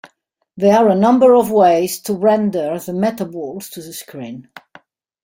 There are a number of ways to render the metaballs to the screen.